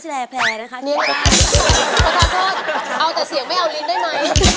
เฮ้ยพอแล้วนะ